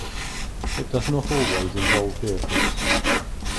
It does not always involve vehicles.